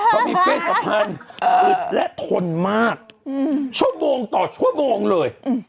เขามีเพศสัมพันธ์อึดและทนมากชั่วโมงต่อชั่วโมงเลย